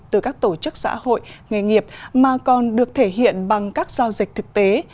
từ các tổ chức xã hội nghề nghiệp mà còn được thể hiện bằng các giao dịch thực tế